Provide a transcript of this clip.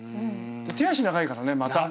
手足長いからねまた。